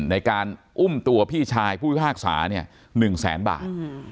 ในการอุ้มตัวพี่ชายผู้ฮากษาเนี่ย๑๐๐๐๐๐บาท